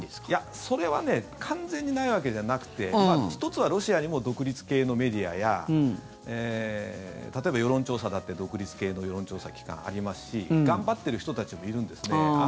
いや、それは完全にないわけじゃなくて１つはロシアにも独立系のメディアや例えば世論調査だって独立系の世論調査機関ありますし頑張ってる人たちもいるんですね。